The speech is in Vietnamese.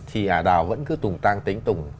thì à đào vẫn cứ tùng tang tính tùng